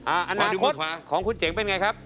อันนี้ของคุณเจ๋งเป็นไงครับ